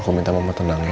aku minta mama tenang ya